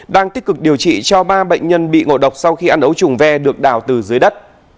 đang tích cực điều trị cho ba bệnh nhân bị ngộ độc sau khi ăn ấu trùng ve được đào từ dưới đất